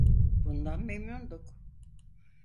Bundan memnunduk.